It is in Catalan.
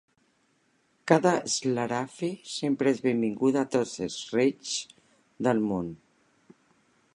Cada Schlaraffe sempre és benvinguda a tots els Reych del món.